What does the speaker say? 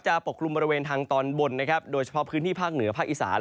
ปกคลุมบริเวณทางตอนบนนะครับโดยเฉพาะพื้นที่ภาคเหนือภาคอีสาน